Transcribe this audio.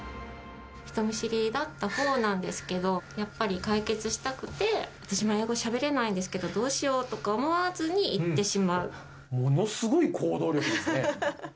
人見知りだったほうなんですけど、やっぱり解決したくて、私も英語しゃべれないですけど、どうしようとか思わずに行ってしものすごい行動力ですね。